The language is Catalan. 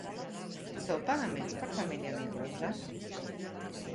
Feu pagaments per família nombrosa?